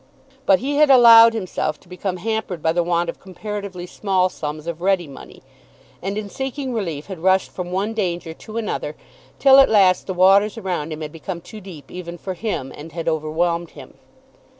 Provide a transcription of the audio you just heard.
But he had allowed himself to become hampered by the want of comparatively small sums of ready money, and in seeking relief had rushed from one danger to another, till at last the waters around him had become too deep even for him, and had overwhelmed him.